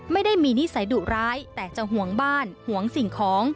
ไม่ได้มีนิสัยดุร้ายแต่จะห่วงบ้านห่วงสิ่งของ